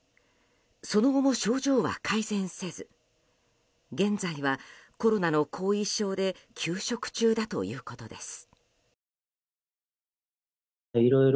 その後も症状は改善せず現在はコロナの後遺症で休職中だということです。